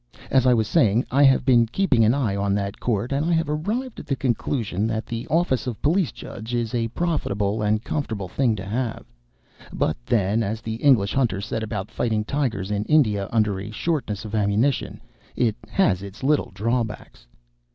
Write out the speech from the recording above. As I was saying, I have been keeping an eye on that court, and I have arrived at the conclusion that the office of Police Judge is a profitable and a comfortable thing to have, but then, as the English hunter said about fighting tigers in India under a shortness of ammunition, "It has its little drawbacks."